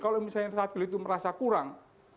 kalau misalnya stabil itu merasa kurang